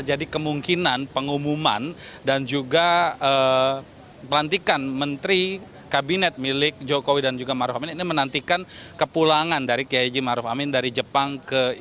jadi kemungkinan pengumuman dan juga pelantikan menteri kabinet milik jokowi dan juga maruf amin ini menantikan kepulangan dari k h maruf amin dari jepang